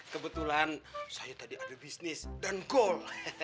kebetulan saya tadi ada bisnis dan goal